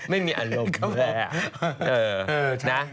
ไม่มีอารมณ์เลย